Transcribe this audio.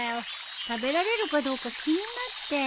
食べられるかどうか気になって。